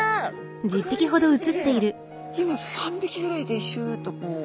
今３匹ぐらいでシュっとこう。